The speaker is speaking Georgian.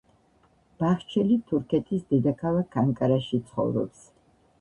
ბაჰჩელი თურქეთის დედაქალაქ ანკარაში ცხოვრობს.